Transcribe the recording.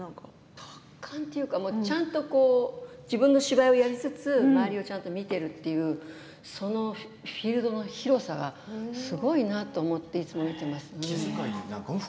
達観というか、ちゃんと自分の芝居をやりつつ周りを見ているというフィールドの広さがすごいなと思っていつも見ています。